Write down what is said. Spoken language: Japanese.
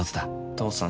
父さん